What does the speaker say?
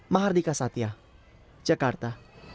mahardika satya jakarta